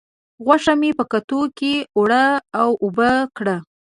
غوښه مې په کټو کې اوړه و اوبه کړه.